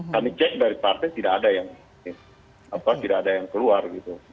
kami cek dari partai tidak ada yang keluar gitu